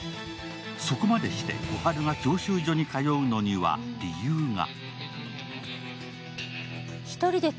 そこまでして心春が教習所に通うのには理由が。